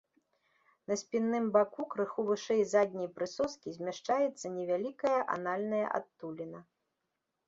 На спінным баку крыху вышэй задняй прысоскі змяшчаецца невялікая анальная адтуліна.